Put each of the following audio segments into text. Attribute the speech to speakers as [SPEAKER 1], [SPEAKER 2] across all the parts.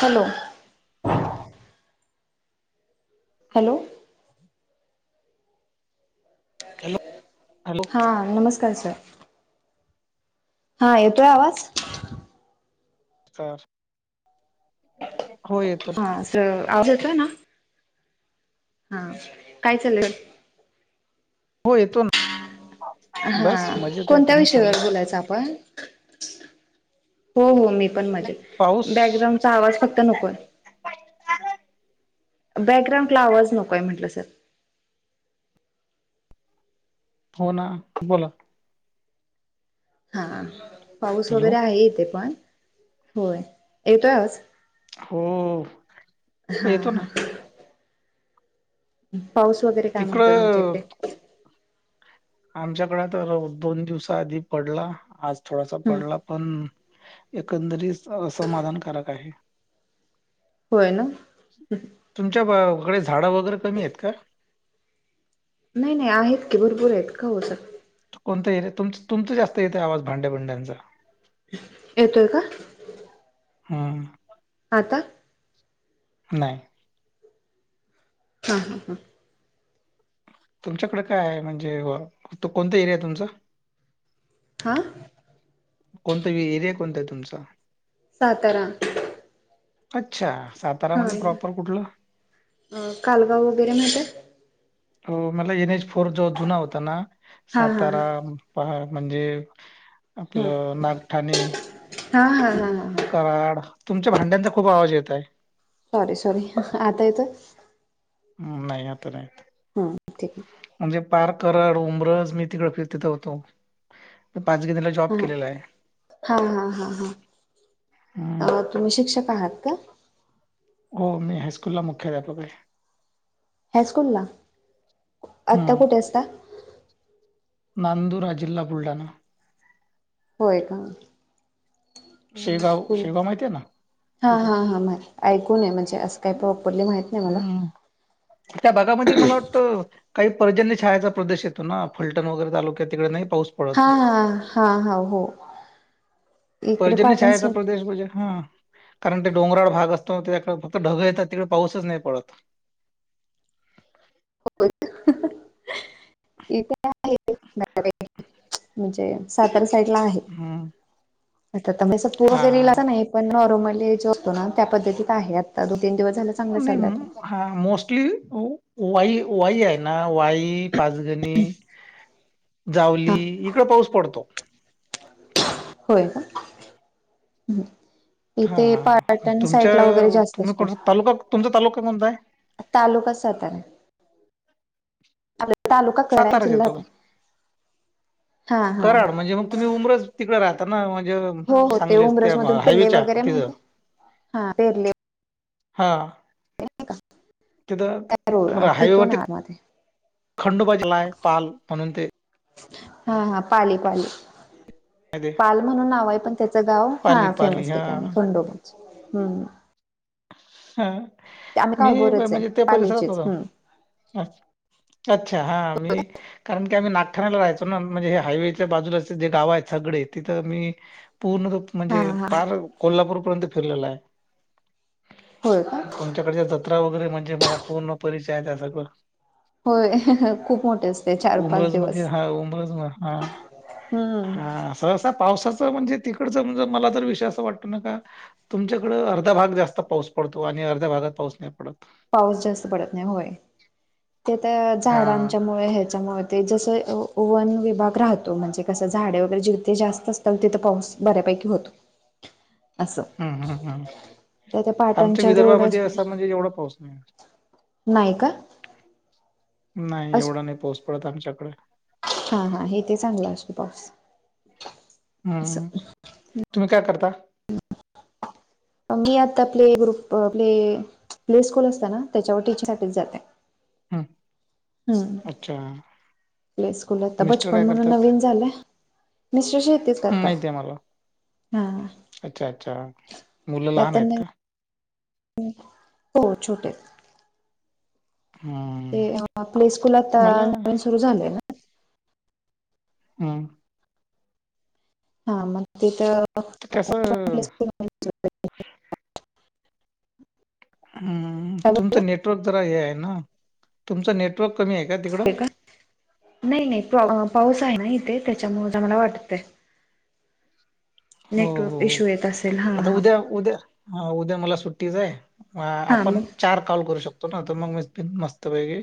[SPEAKER 1] Hello! Hello!
[SPEAKER 2] Hello! Hello
[SPEAKER 1] हा नमस्कार sir. हा येतोय आवाज?
[SPEAKER 2] हो येतोय.
[SPEAKER 1] हां सर हा काय चालेल?
[SPEAKER 2] हो येतो ना बस
[SPEAKER 1] हा
[SPEAKER 2] मजेत आहे
[SPEAKER 1] कोणत्या
[SPEAKER 2] तुम्ही सांगा
[SPEAKER 1] विषयावर बोलायचं आपण. हो हो मी.
[SPEAKER 2] पाऊस
[SPEAKER 1] ण बॅकग्राउंडचा आवाज फक्त नकोय. बॅकग्राउंडला आवाज नकोय म्हंटलं सर.
[SPEAKER 2] फोन ना बोला.
[SPEAKER 1] हा पाऊस
[SPEAKER 2] हॅलो
[SPEAKER 1] वगैरे आहे इथे पण होय येतो आवाज
[SPEAKER 2] हो हो
[SPEAKER 1] हां
[SPEAKER 2] येतो ना.
[SPEAKER 1] हां पाऊस वगैरे काय म्हणतो तुमच्या
[SPEAKER 2] तिकडं
[SPEAKER 1] इकडे?
[SPEAKER 2] आमच्याकडे तर दोन दिवसा आधी पडला आज थोडासा
[SPEAKER 1] हम्म
[SPEAKER 2] पडला पण. एकंदरीत असमाधानकारक आहे.
[SPEAKER 1] होय ना
[SPEAKER 2] तुमच्या? कडे झाड वगैरे कमी आहेत का?
[SPEAKER 1] नाही नाही आहेत की भरपूर आहेत का ओ सर?
[SPEAKER 2] कोणतं येरी यात तुमचं जास्त येतं आहे आवाज भांड्या भुड्यांचा
[SPEAKER 1] येतोय का?
[SPEAKER 2] हा.
[SPEAKER 1] आता
[SPEAKER 2] नाही.
[SPEAKER 1] हा.
[SPEAKER 2] तुमच्याकडे काय आहे म्हणजे कोणता एरिया तुमचा?
[SPEAKER 1] हां
[SPEAKER 2] कोणता एरिया कोणता आहे तुमचा?
[SPEAKER 1] सातारा
[SPEAKER 2] अच्छा
[SPEAKER 1] हा
[SPEAKER 2] सातारामध्ये पॅॉपर कुठलं
[SPEAKER 1] कालगाव वगैरे माहित आहे
[SPEAKER 2] हो मला एन एज फोर जो जुना होता ना
[SPEAKER 1] हा हा
[SPEAKER 2] सातारा पहा म्हणजे
[SPEAKER 1] हा
[SPEAKER 2] आपलं नागठाणे
[SPEAKER 1] हा हा हा हा हा हा
[SPEAKER 2] कराड तुमच्या भांड्यांचा खूप आवाज येत आहे
[SPEAKER 1] सॉरी सॉरी आता येतोय
[SPEAKER 2] हम्म नाही आता नाही येत
[SPEAKER 1] हा ठीक आहे
[SPEAKER 2] जे, पार करर उंब्रज मी तिकडे फिरतीत, होतो पाचगणीला जॉब
[SPEAKER 1] हा
[SPEAKER 2] केलेला आहे
[SPEAKER 1] हा हा हा हा
[SPEAKER 2] हम्म.
[SPEAKER 1] आ तुम्ही शिक्षक आहात का
[SPEAKER 2] हो मी हायस्कूल ला मुख्याध्यापक आहे
[SPEAKER 1] हायस्कूल ला आता
[SPEAKER 2] हम्म.
[SPEAKER 1] कुठे असता
[SPEAKER 2] नांदुरा जिल्हा बुलढाणा
[SPEAKER 1] होय का
[SPEAKER 2] शेगाव शेगाव माहिती आहे ना
[SPEAKER 1] हा
[SPEAKER 2] तिथं
[SPEAKER 1] हा हा ऐकून आहे म्हणजे असं काही प्रॉपरली माहित नाही मला
[SPEAKER 2] हम्म त्या भागामध्ये मला वाटत काही पर्जन्य छायाचा प्रदेश येतो ना फलटण वगैरे तालुक्यात तिकडे नाही पाऊस पडत
[SPEAKER 1] हा हा हा हा हो इकडे
[SPEAKER 2] पर्जन्य
[SPEAKER 1] पाटण
[SPEAKER 2] शाळेचा
[SPEAKER 1] साईड
[SPEAKER 2] प्रदेश म्हणजे हा कारण ते डोंगराळ भाग असतो त्याकडे ढगं येतात तिकडे पाऊसच नाही पडत
[SPEAKER 1] हो इथे आहे म्हणजे सातारच पडला आहे
[SPEAKER 2] हं,
[SPEAKER 1] पण दिसत वगैरे तर
[SPEAKER 2] हां.
[SPEAKER 1] काही नाही पण रोमँटिक आहे लेप झोपतो ना त्या पद्धतीत आहे तो तीन दिवस झाला चांगला
[SPEAKER 2] आणि
[SPEAKER 1] चाललाय
[SPEAKER 2] हा मोस्टली हो वाई वाई आहे ना वाई पाच गणी
[SPEAKER 1] हा
[SPEAKER 2] जावली इकड पाऊस पडतो
[SPEAKER 1] होय का इथे
[SPEAKER 2] हां,
[SPEAKER 1] पर्यटन
[SPEAKER 2] तुमच्या
[SPEAKER 1] साईडला वगैरे जास्त
[SPEAKER 2] तुम्ही
[SPEAKER 1] असतो
[SPEAKER 2] कोणता तालुका तुमचा तालुका कोणता आहे?
[SPEAKER 1] तालुका सातारा तालुका कराड
[SPEAKER 2] साताराच
[SPEAKER 1] जिल्हा
[SPEAKER 2] येतो का?
[SPEAKER 1] हा हा
[SPEAKER 2] कराड म्हणजे मग तुम्ही उमरच तिकडे राहता ना म्हणजे
[SPEAKER 1] हो हो ते
[SPEAKER 2] सांगलीच त्या
[SPEAKER 1] उमरज मधून पिल्ले
[SPEAKER 2] हायवेच्या
[SPEAKER 1] वगैरे
[SPEAKER 2] तिथं.
[SPEAKER 1] माहित हा पेरले
[SPEAKER 2] हा तिथं
[SPEAKER 1] त्या रोड
[SPEAKER 2] खरं, हायवे
[SPEAKER 1] तिथून
[SPEAKER 2] वरती
[SPEAKER 1] आतमध्ये
[SPEAKER 2] का खंडोबाची नाय, पाल म्हणून तिथे
[SPEAKER 1] हा हा पाली पाली
[SPEAKER 2] आहे ते.
[SPEAKER 1] पाल म्हणून नाव आहे पण त्याचं गाव हा
[SPEAKER 2] पाली पाली
[SPEAKER 1] फेमस
[SPEAKER 2] हा
[SPEAKER 1] ठिकाणी खंडोबा हु
[SPEAKER 2] हा मी
[SPEAKER 1] काळभोरच आहे
[SPEAKER 2] म्हणजे त्या परिसरात
[SPEAKER 1] पालीचेच हम्म
[SPEAKER 2] होता अ अच्छा हा मी कारण की आम्ही नागठाण्याला, राहायचो ना म्हणजे हे हायवेच्या बाजूलाचे जे गाव आहे सगळे तिथं मी पूर्ण
[SPEAKER 1] हा
[SPEAKER 2] म्हणजे
[SPEAKER 1] हा
[SPEAKER 2] पार कोल्हापूर पर्यंत फिरलेला आहे
[SPEAKER 1] होय का
[SPEAKER 2] तुमच्याकडच्या जत्रा वगैरे म्हणजे मला पूर्ण परिचय आहे त्या सगळं
[SPEAKER 1] होय खूप मोठे असते चार पाच
[SPEAKER 2] उमरज मध्ये
[SPEAKER 1] दिवस
[SPEAKER 2] हा उमरज म हा
[SPEAKER 1] हम्म
[SPEAKER 2] हा सहसात पावसाच म्हणजे तिकडच म्हणजे मला तर विषय अस वाट ना का तुमच्याकड अर्धा भाग जास्त त पाऊस पडतो आणि अर्ध्या भागात पाऊस नाही पडत.
[SPEAKER 1] पाऊस जास्त पडत नाही होय ते तर
[SPEAKER 2] हा
[SPEAKER 1] झाडांच्यामुळे ह्याच्यामुळे ते जसे ओवन विभाग राहतो म्हणजे कस झाडं वैगरे जिथे जास्त असतात तिथं पाऊस बऱ्यापैकी एकी भवतू. अस
[SPEAKER 2] हम्म हम्म हम्म
[SPEAKER 1] त्या त्या
[SPEAKER 2] आमच्या
[SPEAKER 1] पटाच्या रोड
[SPEAKER 2] विदर्भामध्ये
[SPEAKER 1] असतो ना.
[SPEAKER 2] असा म्हणजे एवढा पाऊस नाही
[SPEAKER 1] नाय का?
[SPEAKER 2] नाय
[SPEAKER 1] अस
[SPEAKER 2] एवढा नाय पाऊस पडत, आमच्याकडे.
[SPEAKER 1] हा हा हे ते चांगल असतं पाऊस.
[SPEAKER 2] हम
[SPEAKER 1] असं
[SPEAKER 2] तुम्ही काय करता?
[SPEAKER 1] [unintelligible] मी आता आपले प्ले ग्रुप आपले प्ले स्कूल असत ना, त्याच्यावर टीचसाठी जाते.
[SPEAKER 2] हम्म
[SPEAKER 1] हम्म
[SPEAKER 2] अच्छा!
[SPEAKER 1] प्ले स्कूल आता
[SPEAKER 2] मिस्टर
[SPEAKER 1] बचपन
[SPEAKER 2] काय
[SPEAKER 1] म्हणून,
[SPEAKER 2] करतात
[SPEAKER 1] नवीन झालंयं, [unintelligible]
[SPEAKER 2] हम्म,
[SPEAKER 1] करतात.
[SPEAKER 2] माहिती आहे मला
[SPEAKER 1] हा
[SPEAKER 2] अच्छा! अच्छा मुलं
[SPEAKER 1] त्या
[SPEAKER 2] लहान आहेत
[SPEAKER 1] त्यांना
[SPEAKER 2] का?
[SPEAKER 1] हो, छोटे.
[SPEAKER 2] हम्म
[SPEAKER 1] ते प्ले स्कूल आता
[SPEAKER 2] मला
[SPEAKER 1] नवीन सुरू झाले ना.
[SPEAKER 2] हम्म!
[SPEAKER 1] हा, मग तिथं
[SPEAKER 2] तर कसं
[SPEAKER 1] [unintelligible]
[SPEAKER 2] हम
[SPEAKER 1] काय
[SPEAKER 2] तुमच
[SPEAKER 1] बोलला
[SPEAKER 2] नेटवर्क जरा हे आहे ना तुमच नेट
[SPEAKER 1] होय का नाही नाही प्रॉ् पाऊस आहे ना इथे त्याच्यामुळे चांगला वाटते.
[SPEAKER 2] हो हो हो आता
[SPEAKER 1] हां
[SPEAKER 2] उद्या उद्या ह उद्या मला सुट्टी तिझ हाय
[SPEAKER 1] हां
[SPEAKER 2] आपण
[SPEAKER 1] मग
[SPEAKER 2] चार कॉल करू शकतो ना तर मग मी पण मस्तपैकी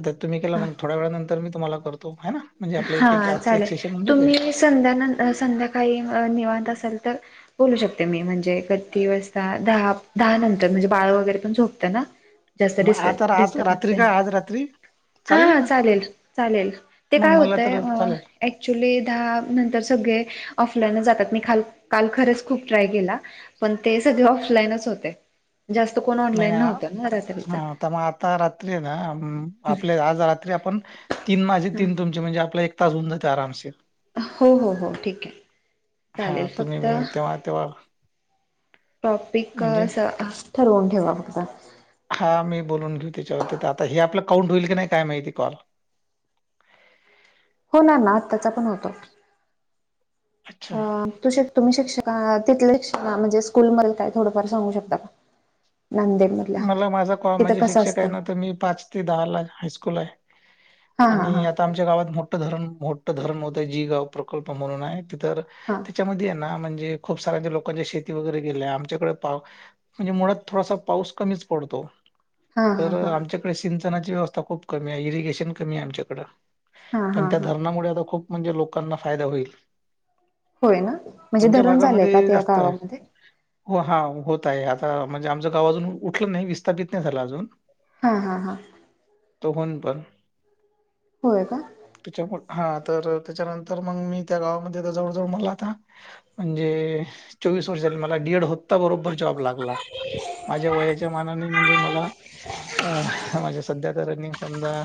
[SPEAKER 2] आता तुम्ही केला मग थोड्या वेळानंतर मी तुम्हाला करतो. है ना म्हणजे आपलं एक एक
[SPEAKER 1] हा,
[SPEAKER 2] आजचं एक
[SPEAKER 1] चालेल
[SPEAKER 2] सेशन होऊन जाते
[SPEAKER 1] तुम्ही संध्या नंतर संध्याकाळी अ निवांत नंतर बोलू शकते, मी म्हणजे किती? वाजता दहा दहा नंतर म्हणजे, बाळ वैगरे पण झोपते ना जास्त
[SPEAKER 2] मग
[SPEAKER 1] डिस्ट
[SPEAKER 2] आता आज
[SPEAKER 1] डिस्टर्ब नसते
[SPEAKER 2] रात्री का
[SPEAKER 1] येणार.
[SPEAKER 2] आज रात्री
[SPEAKER 1] हा, हा चालेल चालेल. ते
[SPEAKER 2] मग
[SPEAKER 1] काय
[SPEAKER 2] मला
[SPEAKER 1] होतंय?
[SPEAKER 2] तर चालेल
[SPEAKER 1] ऍक्च्युली दहा नंतर सगळे ऑफलाईनच जातात, मी काल काल खरंच खूप ट्राय केला, पण ते सगळे ऑफलाईनच होते. जास्त कोण
[SPEAKER 2] नाही
[SPEAKER 1] ऑनलाईन
[SPEAKER 2] नाही आ-
[SPEAKER 1] न्हवत?
[SPEAKER 2] हा, त मग आता रात्री आहे, ना आपल्या आज रात्री आपण तीन माझे तीन तुमचे म्हणजे आपला एक तास होऊन जाते आरामसे.
[SPEAKER 1] हो हो हो ठीक आहे
[SPEAKER 2] हा,
[SPEAKER 1] चालेल
[SPEAKER 2] तुम्ही
[SPEAKER 1] फक्त
[SPEAKER 2] वेळ तेव्हा तेव्हा
[SPEAKER 1] टॉपिक
[SPEAKER 2] म्हणजे
[SPEAKER 1] असं ठरवून ठेवा फक्त.
[SPEAKER 2] हा, मी बोलून घेऊ त्याच्यावरती तर आता हे आपलं काउंट होईल, की नाही काय माहिती कॉल.
[SPEAKER 1] होणार ना, आताचा पण होतो.
[SPEAKER 2] अच्छा
[SPEAKER 1] अ तुझ्यात तुम्ही शिक्षक आहात, तिथले शिक्षणा म्हणजे स्कूल मधलं काय थोडफार सांगू शकता? नांदेड मधल्या
[SPEAKER 2] मला माझा
[SPEAKER 1] तिथं
[SPEAKER 2] म्हणजे
[SPEAKER 1] कसं
[SPEAKER 2] शिक्षक आहे
[SPEAKER 1] असतं
[SPEAKER 2] ना, तर मी पाच ते दहा ला हायस्कूल आहे.
[SPEAKER 1] हा
[SPEAKER 2] आणि
[SPEAKER 1] हा
[SPEAKER 2] आता आमच्या गावात मोठं धरण मोठं धरण होतयं, जी गाव प्रकल्प म्हणून, आहेत तर
[SPEAKER 1] हा
[SPEAKER 2] त्याच्यामध्ये आहे ना म्हणजे म्हणजे खूप साऱ्या लोकांच्या शेती वैगरे गेल्या, आमच्याकडे पा म्हणजे मुळात थोडासा पाऊस कमीच पडतो
[SPEAKER 1] हा हा हा
[SPEAKER 2] तर
[SPEAKER 1] हा
[SPEAKER 2] आमच्या कडे शिंद ची व्यवस्था खूप कमी आहे रे इरिगेशन कमी आहे. आमच्याकड
[SPEAKER 1] हा
[SPEAKER 2] पण
[SPEAKER 1] हा
[SPEAKER 2] त्या
[SPEAKER 1] हा
[SPEAKER 2] धरणामुळे आता खूप म्हणजे लोकांना फायदा होईल.
[SPEAKER 1] होय ना म्हणजे
[SPEAKER 2] तुमच्या
[SPEAKER 1] धरण झालंय का
[SPEAKER 2] भागामध्ये
[SPEAKER 1] त्या
[SPEAKER 2] जास्त हाय
[SPEAKER 1] गावामध्ये
[SPEAKER 2] हो हा. होत आहे आता म्हणजे, आमचं गाव अजून उठलं नाही विस्थापित नाही झालं अजून.
[SPEAKER 1] हा हा हा.
[SPEAKER 2] तो [unintelligible]
[SPEAKER 1] होय का?
[SPEAKER 2] त्याच्यामुळे हा तर त्याच्यानंतर मग मी त्या गावामध्ये जवळ जवळ मला आता म्हणजे चोवीस वर्षा मला डि एड होता, बरोबर जॉब लागला माझ्या वया त्या मानाने म्हणजे मला, अ म्हणजे सध्या तर [unintelligible] समजा.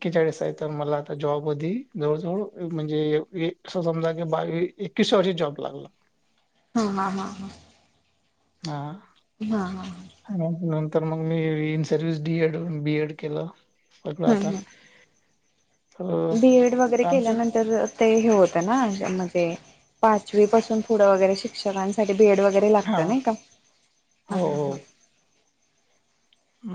[SPEAKER 2] एकेचाळीस आहे तर मला आता जॉब जवळ जवळ म्हणजे अस समजा बावी तीस वर्षात जॉब लागला.
[SPEAKER 1] हा ह हा हा.
[SPEAKER 2] हा.
[SPEAKER 1] हा हा.
[SPEAKER 2] तर मग मी in service D Ed B Ed केलं सगळ आता तर
[SPEAKER 1] बी एड वगैरे
[SPEAKER 2] आता आमच्या
[SPEAKER 1] केल्यानंतर ते हे होतं ना ज्यांना पाचवी पासून पुढं वगैरे शिक्षकांसाठी बी एड वगेरे लात
[SPEAKER 2] हा
[SPEAKER 1] नई का.
[SPEAKER 2] हो हो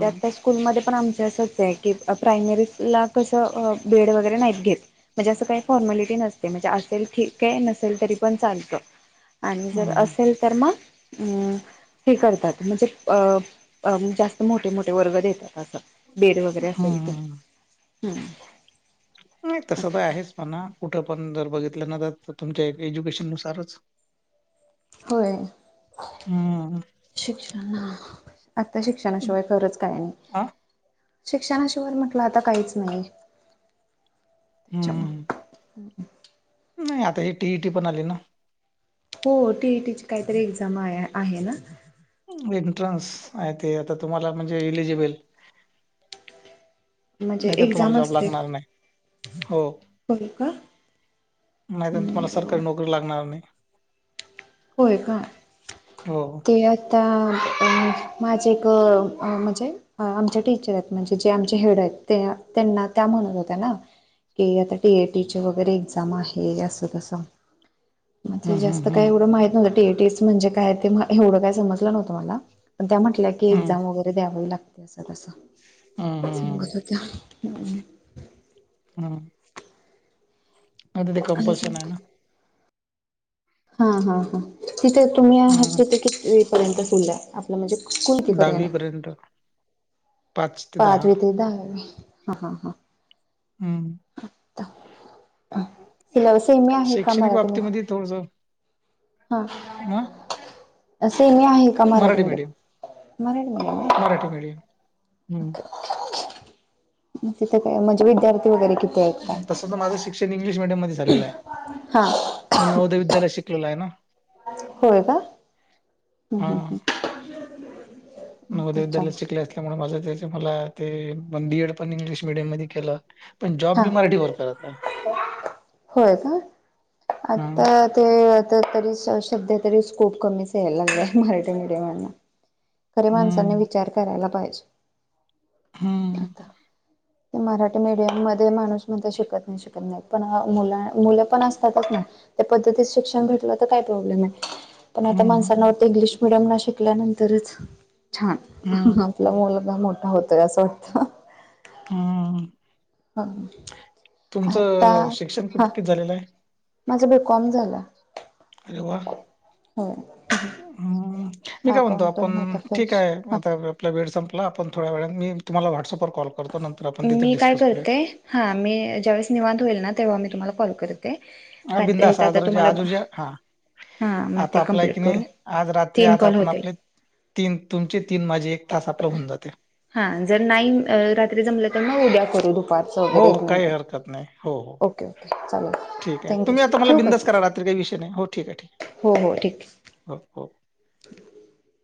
[SPEAKER 1] त्या त्या स्कूलमध्ये पण आमच असच आहे की प्रायमरी ला कसं बेड वगैरे नाही. घेत म्हणजे अस काही फॉर्मलिटी नसते म्हणजे असेल ठीक नसेल तरी पण चालत. आणि जर
[SPEAKER 2] हम्म
[SPEAKER 1] असेल तर मग अ हे करतात म्हणजे अ अ म्हणजे असं मोठे मोठे वर्ग देतात असं बेड वगैरे असेल तर
[SPEAKER 2] हम्म
[SPEAKER 1] हम्म.
[SPEAKER 2] नाही तसं
[SPEAKER 1] असं.
[SPEAKER 2] तर आहेच, पण कुठं पण जर बघित तुमच्या एज्युकेशन नुसारच
[SPEAKER 1] होय
[SPEAKER 2] हम्म
[SPEAKER 1] शिक्षणा आत्ता शिक्षणाशिवाय खरंच काही नाही.
[SPEAKER 2] आ
[SPEAKER 1] शिक्षणाशिवाय म्हटलं, आता काहीच नाही त्याच्या
[SPEAKER 2] हम्म नाही आता ह टी इ टी पण आली ना.
[SPEAKER 1] हो टीईटी ची काहीतरी एक्झाम आहे ना.
[SPEAKER 2] एंट्रन्स आहे ते आता तुम्हाला म्हणजे इलिजिबल.
[SPEAKER 1] म्हणजे
[SPEAKER 2] नाही तर तुम्हाला
[SPEAKER 1] एक्झाम
[SPEAKER 2] जॉब
[SPEAKER 1] असते
[SPEAKER 2] लागणार नाही हो.
[SPEAKER 1] होय का
[SPEAKER 2] नाहीत तुम्हाला सरकारी नोकरी लागणार नाही.
[SPEAKER 1] होय का
[SPEAKER 2] हो
[SPEAKER 1] ते आता अ माझे एक म्हणजे आमचे टीचर आहेत म्हणजे जे आमचे हेड आहेत ते त्यांना त्या म्हणत होत्या ना की आता टी ए टी वगैरे एक्झाम आहे असं तसं. म्हजे
[SPEAKER 2] हम्म हम्म
[SPEAKER 1] जास्त काय
[SPEAKER 2] हम्म
[SPEAKER 1] एवढं माहित न्हतं टी ए टी म्हणजे काय ते एवढं काय समजलं नव्हतं मला पण त्या म्हटल्या की
[SPEAKER 2] हम्म
[SPEAKER 1] एक्झाम वगैरे द्यावा ह लागते असं तस
[SPEAKER 2] हम्म हम्म
[SPEAKER 1] सांगत होत्या. [unintelligible]
[SPEAKER 2] हम्म. म त ते कंपल्शन आहे ना.
[SPEAKER 1] हा हा हा तिथे तुम्ही आह
[SPEAKER 2] हम्म
[SPEAKER 1] तिथे किती पर्यंत फुला आपलं म्हणजे स्कूल कितीपर्यंत
[SPEAKER 2] दहावी
[SPEAKER 1] आहे?
[SPEAKER 2] पर्यंत. पाच दहा
[SPEAKER 1] पाचवी ते दहावी हा हा हा.
[SPEAKER 2] हम्म.
[SPEAKER 1] हि लव सेमी आहे का
[SPEAKER 2] शैक्षणिक
[SPEAKER 1] मराठी म
[SPEAKER 2] बाबतीमध्ये थोडस
[SPEAKER 1] हा.
[SPEAKER 2] ह
[SPEAKER 1] सेमी आहे का मराठी मडियम मराठी मडियम ये.
[SPEAKER 2] मराठी मीडियम हम्म.
[SPEAKER 1] तिथे काय म्हणजे विद्यार्थी वगैरे किती? आहेत काय?
[SPEAKER 2] तसं तर माझं शिक्षण इंग्लिश मीडियम मध्ये झालेलं आहे.
[SPEAKER 1] हा
[SPEAKER 2] मी नवोदय विद्यालय शिकलेला आहे ना.
[SPEAKER 1] होय का हम्म
[SPEAKER 2] हा
[SPEAKER 1] हम्म हम्म.
[SPEAKER 2] नवोदय विद्यालयात
[SPEAKER 1] त्याच्यामुळे
[SPEAKER 2] शिकले असल्यामुळे माझं मला ते पण बीएड पण इंग्लिश मिडियम मध्ये केलं पण जॉब
[SPEAKER 1] हा
[SPEAKER 2] मी मराठी करत. आहे.
[SPEAKER 1] होय का आता
[SPEAKER 2] हम्म
[SPEAKER 1] ते आता तरी शब्द शब्द तरी स्कोप कमीच यायला लागलाय मराठी मिडीयम ना खरे माणसांनी
[SPEAKER 2] हम्म
[SPEAKER 1] विचार करायला पाहिजे.
[SPEAKER 2] हम्म.
[SPEAKER 1] आता ते मराठी मीडियम मध्ये माणूस म्हण शिकत नाही शिकत नाही पण मुला मुल पण असतातच ना त्या पद्धतीच शिक्षण भेटलं तर काय प्रॉब्लेम आहे पण आता
[SPEAKER 2] हम्म
[SPEAKER 1] माणसांना वाटतं इंग्लिश मिडीयम ला शिकल्यानंतरच छान
[SPEAKER 2] हम्म
[SPEAKER 1] आपल्या मुलांना मुलगा मोठा होतोय असं वाटत.
[SPEAKER 2] हम. तुमचं शिक्षण कित किती झालेलं आहे?
[SPEAKER 1] माझा बी कॉम झाला.
[SPEAKER 2] अरे वा!
[SPEAKER 1] हो.
[SPEAKER 2] हम्म मी काय म्हणतो आपण
[SPEAKER 1] होता
[SPEAKER 2] ठीक
[SPEAKER 1] फ्रेश
[SPEAKER 2] आहे
[SPEAKER 1] हा
[SPEAKER 2] आता आपल्या. वेळ संपलाण थोड वळा मी तुम्हाला व्हॉट्सॲप वर
[SPEAKER 1] मी काय करते हा मी ज्यावेळेस निवांत होईल ना तेव्हा मी तुम्हाला कॉल करते.
[SPEAKER 2] हा
[SPEAKER 1] का
[SPEAKER 2] बिंदास आज
[SPEAKER 1] आता तुम्हाला हा
[SPEAKER 2] [unintelligible]
[SPEAKER 1] मग
[SPEAKER 2] आता
[SPEAKER 1] ते
[SPEAKER 2] आपला कि
[SPEAKER 1] कम्प्लीट करू
[SPEAKER 2] नाही आज रात्री
[SPEAKER 1] तीन
[SPEAKER 2] आज
[SPEAKER 1] कॉल
[SPEAKER 2] आपण
[SPEAKER 1] होतील
[SPEAKER 2] आपले.. तीन तुमचे तीन माझे एक तास आपला होऊन जातील.
[SPEAKER 1] हा जर नाही रात्री जमल तर म उद्या करू फार
[SPEAKER 2] हो
[SPEAKER 1] वगैरे
[SPEAKER 2] हो
[SPEAKER 1] एक
[SPEAKER 2] काही
[SPEAKER 1] नंतर
[SPEAKER 2] हरकत नाही हो हो.
[SPEAKER 1] ओके ओके चालेल.
[SPEAKER 2] ठीक आहे
[SPEAKER 1] थँक्यू
[SPEAKER 2] तुम्ही आता
[SPEAKER 1] सर
[SPEAKER 2] मला
[SPEAKER 1] ठेवू का
[SPEAKER 2] बिंधास्त करा
[SPEAKER 1] सर
[SPEAKER 2] रात्री का विषय नाही हो ठीक आहे ठीक आहे.
[SPEAKER 1] हो हो ठीक आहे.
[SPEAKER 2] [unintelligible]
[SPEAKER 1] [unintelligible]